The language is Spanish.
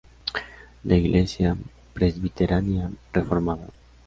La Iglesia Presbiteriana Reformada.